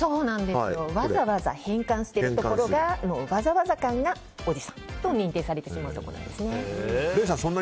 わざわざ変換しているところのわざわざ感がおじさんと認定されてしまう礼さん